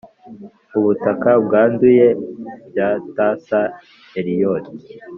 "ubutaka bwanduye" by t. s. eliot